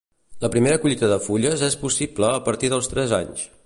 La primera collita de fulles és possible a partir dels tres anys.